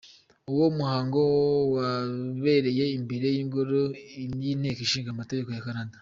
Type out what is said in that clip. Uwo muhango wabereye imbere y’ingoro y’inteko ishinga amategeko ya Canada.